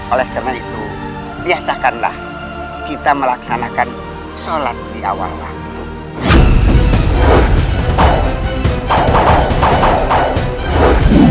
oleh karena itu biasakanlah kita melaksanakan sholat di awal waktu